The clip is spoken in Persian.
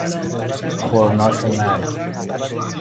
خرناس مرگ